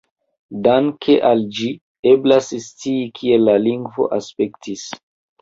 Danke al ĝi eblas scii kiel la lingvo aspektis.